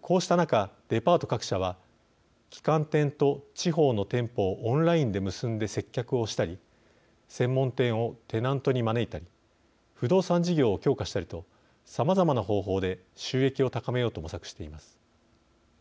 こうした中、デパート各社は旗艦店と地方の店舗をオンラインで結んで接客をしたり専門店をテナントに招いたり不動産事業を強化したりとさまざまな方法で収益を高めようと模索しています。